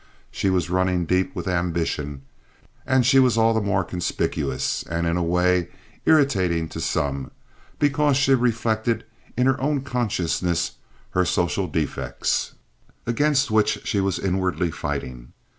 She was running deep with ambition, and she was all the more conspicuous, and in a way irritating to some, because she reflected in her own consciousness her social defects, against which she was inwardly fighting.